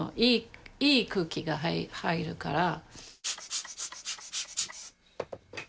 いい空気が入るから。